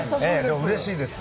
うれしいです。